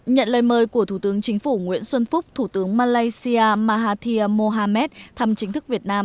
nhận lời mời của thủ tướng chính phủ nguyễn xuân phúc thủ tướng malaysia mahathir mohamad thăm chính thức việt nam